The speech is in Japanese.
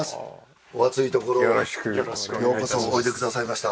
お暑いところようこそおいでくださいました。